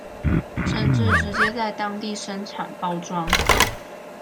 甚至直接在當地生產、包裝